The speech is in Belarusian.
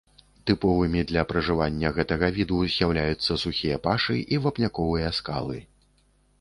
Тыповымі для пражывання гэтага віду з'яўляюцца сухія пашы і вапняковыя скалы.